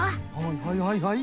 はいはいはい。